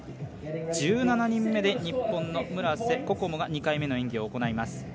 １７人目で日本の村瀬心椛が２回目の演技を行います。